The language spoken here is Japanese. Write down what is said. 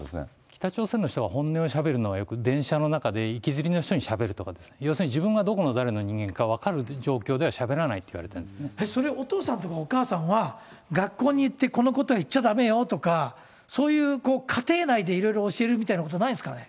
北朝鮮の人が本音をしゃべるのは、よく電車の中で行きずりの人にしゃべるとか、要するに自分はどこの誰の人間かは、分かる状況ではしゃべらないそれ、お父さんとかお母さんは、学校に行って、このことは言っちゃだめよとか、そういう家庭内でいろいろ教えるみたいなことはないんですかね。